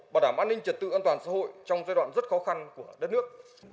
bảo đảm an ninh trật tự an toàn xã hội trong giai đoạn rất khó khăn của đất nước